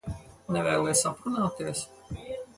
Nevēlies aprunāties?